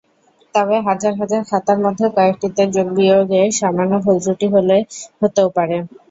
তবে হাজার হাজার খাতার মধ্যে কয়েকটিতে যোগ-বিয়োগে সামান্য ভুলত্রুটি হলে হতেও পারে।